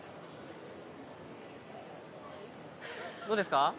どうですか？